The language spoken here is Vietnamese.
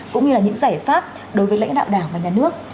cũng như là những giải pháp đối với lãnh đạo đảng và nhà nước